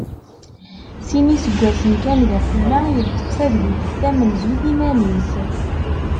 Sin n yiseggasen kan d afella yeṭṭef tadwilt tamenzut iman-is.